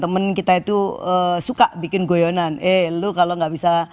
temen kita itu suka bikin goyonan eh lu kalau nggak bisa